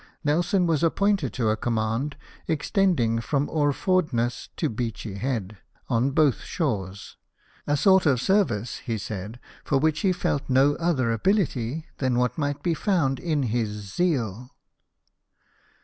Nelson was appointed to a command, extending from Orfordness to Beachy Head, on both shores — a sort of service, he said, for which he felt no other abiUty than what might be found in his zeal.